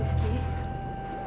ya bu deh